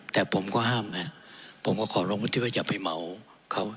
แต่ผมก็ห้ามนะผมก็ขอร้องวุฒิว่าอย่าไปเมาเขา